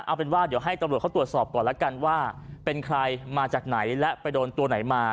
เอาเป็นว่าเดี๋ยวให้ตำรวจเขาตรวจสอบก่อนแล้วกันว่าเป็นใครมาจากไหนและไปโดนตัวไหนมา